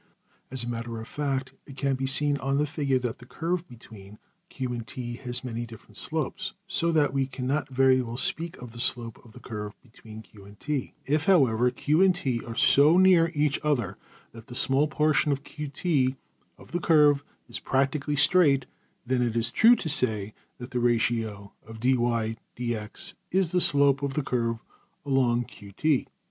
As a matter of fact, it can be seen on the figure that the curve between $Q$ and~$T$ has many different slopes, so that we cannot very well speak of\Pagelabel{slope} the slope of the curve between $Q$ and~$T$. If, however, $Q$ and~$T$ are so near each other that the small portion~$QT$ of the curve is practically straight, then it is true to say that the ratio~$\dfrac{dy}{dx}$ is the slope of the curve along~$QT$.